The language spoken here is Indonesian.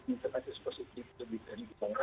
misalkan positif lebih dari orang